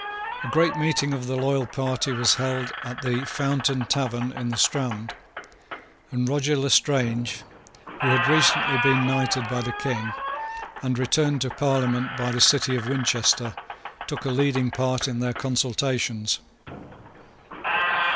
A great meeting of the loyal party was held at the Fountain Tavern in the Strand; and Roger Lestrange, who had recently been knighted by the King, and returned to Parliament by the city of Winchester, took a leading part in their consultations.